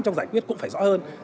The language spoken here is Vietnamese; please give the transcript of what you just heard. trong giải quyết cũng phải rõ hơn